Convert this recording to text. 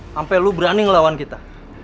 sampai lu berani ngelawan kita